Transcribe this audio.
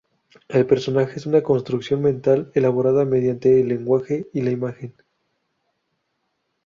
El personaje es una construcción mental elaborada mediante el lenguaje y la imagen.